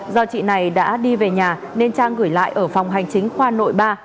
do chị này đã đi về nhà nên trang gửi lại ở phòng hành chính khoa nội ba